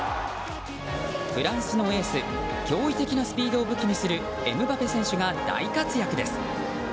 フランスのエース驚異的なスピードを武器にするエムバペ選手が大活躍です。